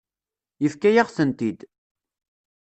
Yefka-yaɣ-tent-id.